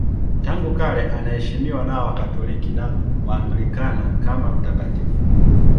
Tangu kale anaheshimiwa na Wakatoliki na Waanglikana kama mtakatifu.